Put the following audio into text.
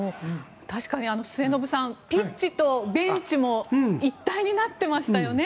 確かに末延さんピッチとベンチも一体になってましたよね。